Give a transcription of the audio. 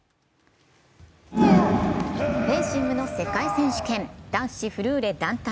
フェンシングの世界選手権、男子フルーレ団体。